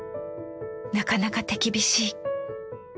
なかなか手厳しい。